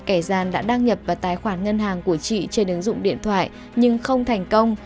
kẻ gian đã đăng nhập vào tài khoản ngân hàng của chị trên ứng dụng điện thoại nhưng không thành công